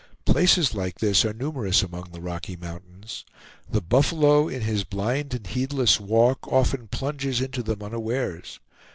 Places like this are numerous among the Rocky Mountains. The buffalo, in his blind and heedless walk, often plunges into them unawares.